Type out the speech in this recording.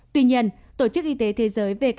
tuy nhiên tổ chức y tế và tổng thống của tây ban nha